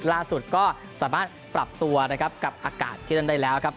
ล่าสุดก็สามารถปรับตัวนะครับกับอากาศที่นั่นได้แล้วครับ